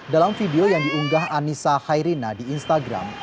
dalam video yang diunggah anissa khairina di instagram